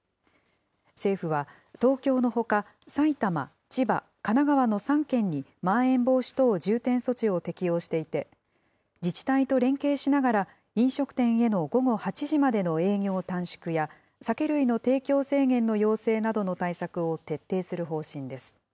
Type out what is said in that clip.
政府は、東京のほか埼玉、千葉、神奈川の３県に、まん延防止等重点措置を適用していて、自治体と連携しながら、飲食店への午後８時までの営業短縮や、酒類の提供制限の要請などの対策を徹底する方針です。